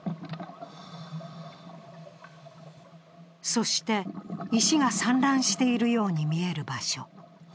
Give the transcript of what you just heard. そして、石が散乱しているように見える場所。